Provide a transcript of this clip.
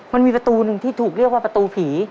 มันมีประตูหนึ่งที่ถูกเรียกว่าประตูผี